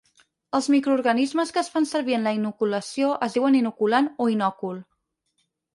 Els microorganismes que es fan servir en la inoculació es diuen inoculant o inòcul.